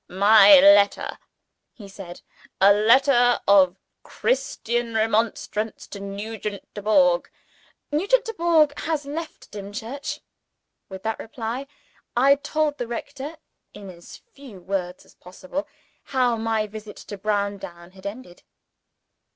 "My Letter," he said. "A Letter of Christian remonstrance, to Nugent Dubourg." "Nugent Dubourg has left Dimchurch." With that reply, I told the rector in as few words as possible how my visit to Browndown had ended.